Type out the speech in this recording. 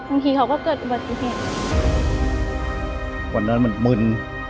บางทีเขาก็เกิดอุบัติเหตุวันนั้นมันมึน